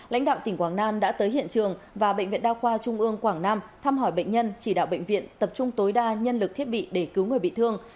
lãnh đạo tỉnh quảng nam đã tới hiện trường và bệnh viện đa khoa trung ương quảng nam thăm hỏi bệnh nhân chỉ đạo bệnh viện tập trung tối đa nhân lực thiết bị để cứu người bị thương